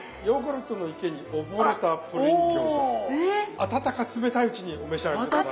温か冷たいうちにお召し上がり下さい。